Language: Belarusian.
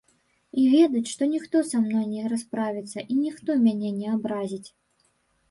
І ведаць, што ніхто са мной не расправіцца і ніхто мяне не абразіць.